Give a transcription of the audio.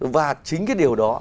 và chính cái điều đó